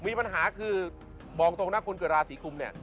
มีปัญหาคือบอกตรงนะคนเกิดราศีกุมเนี่ย